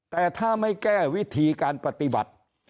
แต่ถ้าไม่แก้วิธีการปฏิบัติ